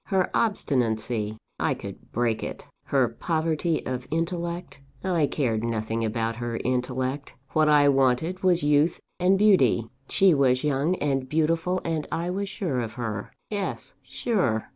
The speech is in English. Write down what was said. Her obstinacy? I could break it. Her poverty of intellect? I cared nothing about her intellect. What I wanted was youth and beauty; she was young and beautiful and I was sure of her. "Yes; sure.